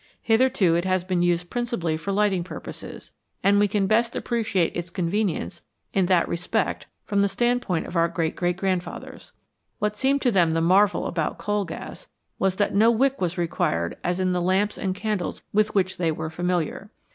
Hitherto it has been used principally for lighting purposes, and we can best appreciate its convenience in that respect from the standpoint of our great great grandfathers. What seemed to them the marvel about coal gas was that no wick was required as in the lamps and candles with which they were familiar.